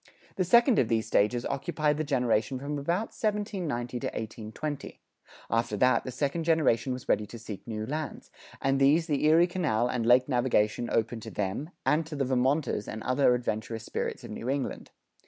The second of these stages occupied the generation from about 1790 to 1820; after that the second generation was ready to seek new lands; and these the Erie Canal and lake navigation opened to them, and to the Vermonters and other adventurous spirits of New England.